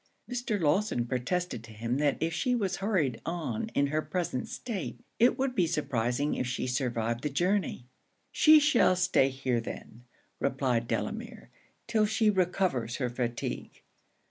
Mr. Lawson protested to him that if she was hurried on in her present state, it would be surprising if she survived the journey. 'She shall stay here then,' replied Delamere, 'till she recovers her fatigue.'